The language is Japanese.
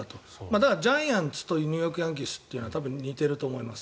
だからジャイアンツとニューヨーク・ヤンキースは多分似ていると思います。